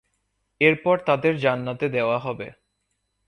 এরপর তাদের জান্নাতে দেওয়া হবে।